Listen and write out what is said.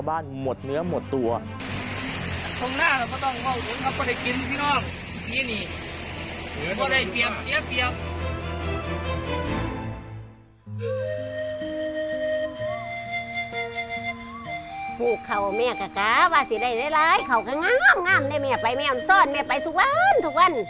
วันเสาร์อาทิตย์หว่างก็ไปเห็ดซอยพ่อนจะ